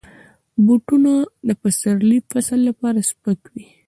بوټونه د پسرلي فصل لپاره سپک وي.